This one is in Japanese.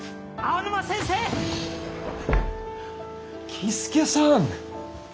僖助さん！